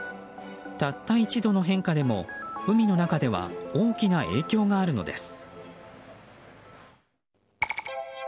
たった１度の変化でも海の中では大きな影響があるのです。